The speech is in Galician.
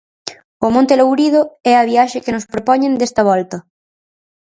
O Monte Lourido é a viaxe que nos propoñen desta volta.